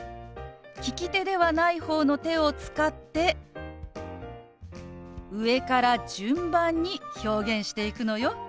利き手ではない方の手を使って上から順番に表現していくのよ。